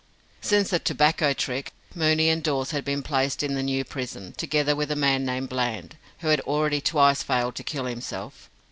Since the "tobacco trick", Mooney and Dawes had been placed in the new prison, together with a man named Bland, who had already twice failed to kill himself.